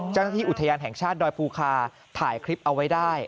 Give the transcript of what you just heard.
เจ้าหน้าที่อุทยานแห่งชาติดอยภูคาถ่ายคลิปเอาไว้ได้